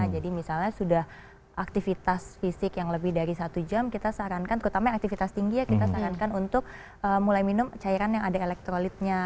jadi misalnya sudah aktivitas fisik yang lebih dari satu jam kita sarankan terutama yang aktivitas tinggi ya kita sarankan untuk mulai minum cairan yang ada elektrolitnya